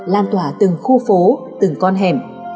lan tỏa từng khu phố từng con hẻm